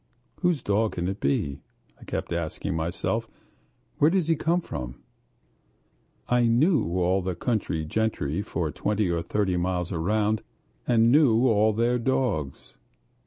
"Whose dog can it be?" I kept asking myself. "Where does he come from?" I knew all the country gentry for twenty or thirty miles round, and knew all their dogs.